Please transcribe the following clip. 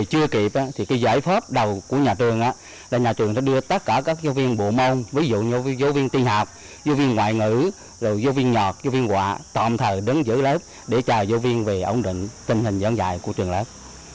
chưa kịp giải pháp đầu của nhà trường là nhà trường đưa tất cả các giáo viên bộ môn ví dụ như giáo viên tiên học giáo viên ngoại ngữ giáo viên nhọc giáo viên quạ tạm thờ đứng giữa lớp để trả giáo viên về ổn định tình hình giảng dạy của trường lớp